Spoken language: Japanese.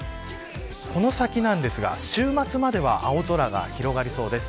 この先ですが、週末までは青空が広がりそうです。